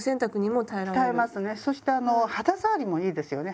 そしてあの肌触りもいいですよね。